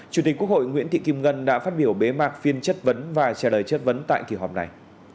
chủ tịch quốc hội nguyễn thị kim ngân đã phát biểu bế mạc phiên chất vấn và trả lời chất vấn tại kỳ họp này